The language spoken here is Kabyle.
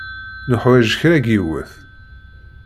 Nuḥwaǧ kra n yiwet.